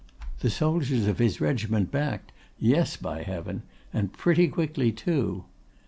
The soldiers of his regiment backed—yes, by heaven, and pretty quickly too.